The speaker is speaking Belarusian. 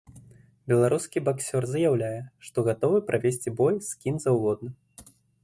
Беларускі баксёр заяўляе, што гатовы правесці бой з кім заўгодна.